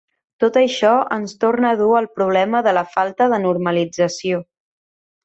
Tot això ens torna a dur al problema de la falta de normalització.